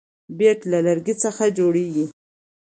بیټ د لرګي څخه جوړ يي.